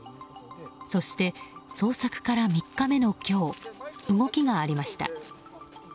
そして捜索から３日目の今日動きがありました。